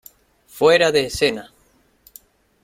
Fuera de Escena!.